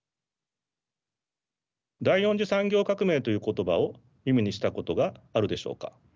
第４次産業革命という言葉を耳にしたことがあるでしょうか。